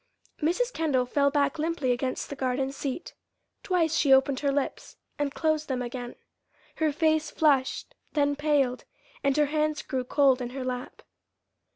Mrs. Kendall fell back limply against the garden seat. Twice she opened her lips and closed them again. Her face flushed, then paled, and her hands grew cold in her lap.